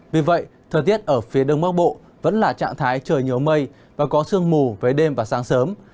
vì vậy thời tiết ở phía đông bắc bộ vẫn là trạng thái trời nhiều mây và có sương mù về đêm và sáng sớm